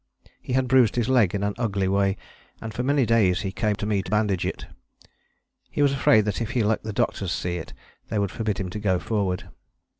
He had bruised his leg in an ugly way, and for many days he came to me to bandage it. He was afraid that if he let the doctors see it they would forbid him to go forward.